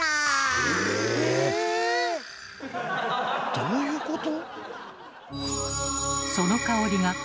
どういうこと？